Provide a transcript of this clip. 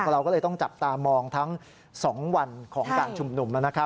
เราก็เลยต้องจับตามองทั้ง๒วันของการฉุบหนุ่มนะครับ